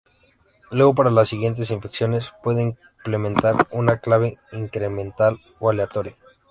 Luego para las siguientes infecciones puede implementar una clave incremental o aleatoria.